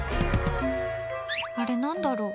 あれ何だろう？